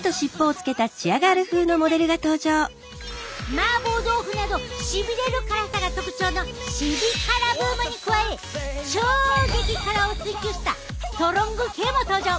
マーボー豆腐などしびれる辛さが特徴のシビ辛ブームに加え超激辛を追求したストロング系も登場！